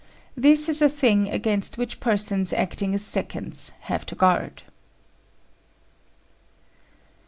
This is a thing against which persons acting as seconds have to guard.